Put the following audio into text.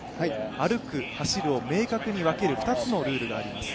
歩く、走るを明確に分ける２つのルールがあります。